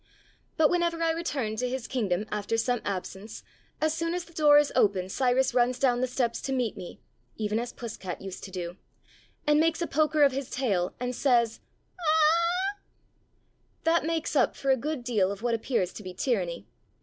But whenever I return to his 262 There Arose a King kingdom after some absence, as soon as the door is open Cyrus runs down the steps to meet me (even as Puss cat used to do) and makes a poker of his tail, and says "Ah h h h." That makes up for a good deal of what appears to be tyranny.